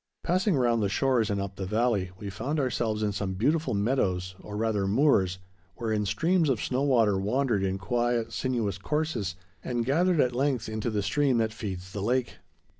Passing round the shores and up the valley, we found ourselves in some beautiful meadows, or rather moors, wherein streams of snow water wandered in quiet, sinuous courses and gathered at length into the stream that feeds the lake.